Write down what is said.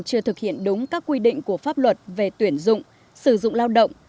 chưa thực hiện đúng các quy định của pháp luật về tuyển dụng sử dụng lao động